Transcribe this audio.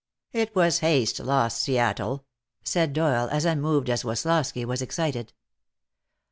"It was haste lost Seattle," said Doyle, as unmoved as Woslosky was excited.